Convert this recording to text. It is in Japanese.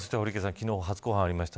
昨日、初公判がありました。